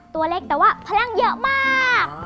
ตัวเล็กแต่ว่าพลังเยอะมาก